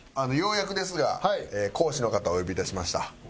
ようやくですが講師の方をお呼び致しました。